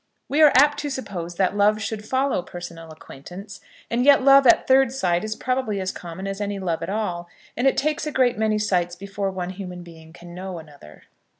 We are apt to suppose that love should follow personal acquaintance; and yet love at third sight is probably as common as any love at all, and it takes a great many sights before one human being can know another.